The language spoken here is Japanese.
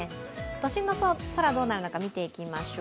都心の空、どうなるのか見ていきましょう。